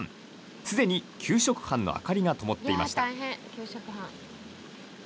すでに給食班の明かりがともっていました。